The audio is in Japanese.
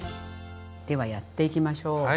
ではやっていきましょう。